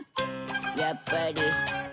やっぱり。